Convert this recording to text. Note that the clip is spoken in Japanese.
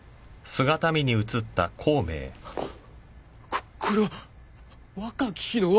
ここれは若き日のわが姿！